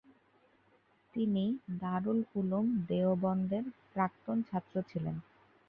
তিনি দারুল উলুম দেওবন্দের প্রাক্তন ছাত্র ছিলেন।